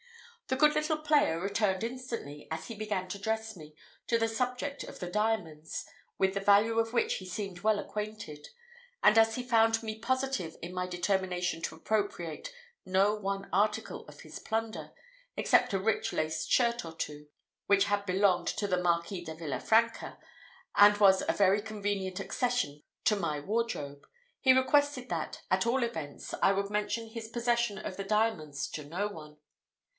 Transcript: The good little player returned instantly, as he began to dress me, to the subject of the diamonds, with the value of which he seemed well acquainted; and as he found me positive in my determination to appropriate no one article of his plunder, except a rich laced shirt or two, which had belonged to the Marquis de Villafranca, and was a very convenient accession to my wardrobe, he requested that, at all events, I would mention his possession of the diamonds to no one.